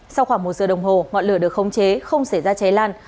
sau khoảng một giờ đồng hồ ngọn lửa được khống chế không xảy ra cháy lan